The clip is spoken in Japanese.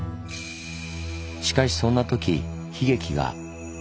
しかしそんなとき悲劇が。